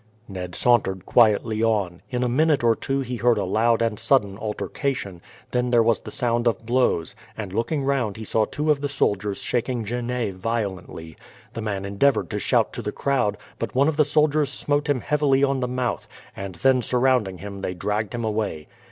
Ned sauntered quietly on. In a minute or two he heard a loud and sudden altercation, then there was the sound of blows, and looking round he saw two of the soldiers shaking Genet violently. The man endeavoured to shout to the crowd; but one of the soldiers smote him heavily on the mouth, and then surrounding him they dragged him away.